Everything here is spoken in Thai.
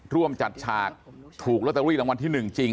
ร่วมจัดฉากถูกลอตเตอรี่รางวัลที่๑จริง